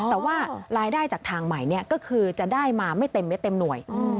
แต่ว่ารายได้จากทางใหม่ก็คือจะได้มาไม่เต็มเม็ดเต็มหน่วย